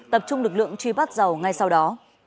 tập trung lực lượng truy bắt dầu ngay sau đó